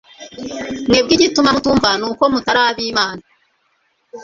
Mwebwe igituma mutumva ni uko mutari ab'Imana. »